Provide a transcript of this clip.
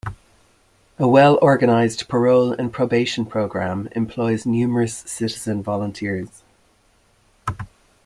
A well-organized parole and probation program employs numerous citizen volunteers.